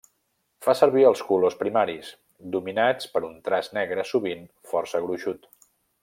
Fa servir els colors primaris, dominats per un traç negre sovint força gruixut.